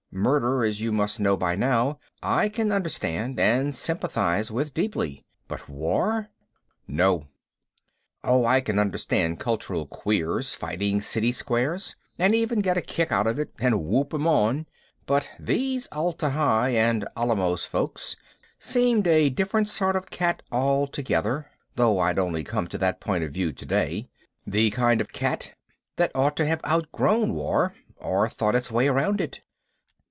Murder, as you must know by now, I can understand and sympathize with deeply, but war? no! Oh, I can understand cultural queers fighting city squares and even get a kick out of it and whoop 'em on, but these Atla Hi and Alamos folk seemed a different sort of cat altogether (though I'd only come to that point of view today) the kind of cat that ought to have outgrown war or thought its way around it.